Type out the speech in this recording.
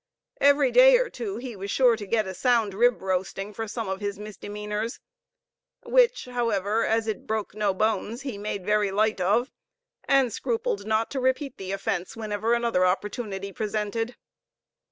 Every day or two he was sure to get a sound rib roasting for some of his misdemeanors; which, however, as it broke no bones, he made very light of, and scrupled not to repeat the offence whenever another opportunity presented.